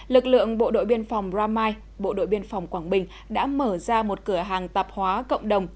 lực lượng bộ đội biên phòng ramai bộ đội biên phòng quảng bình đã mở ra một cửa hàng tạp hóa cộng đồng